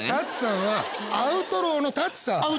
たつさんはアウトローのたつさん。